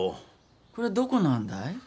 これはどこなんだい？